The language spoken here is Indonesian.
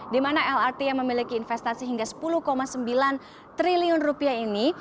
di mana lrt yang memiliki investasi hingga sepuluh sembilan triliun rupiah ini